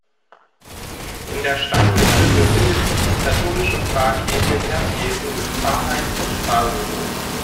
In der Stadtmitte befindet sich die katholische Pfarrkirche Herz Jesu mit Pfarrheim und Pfarrbüro.